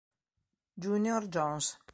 Junior Jones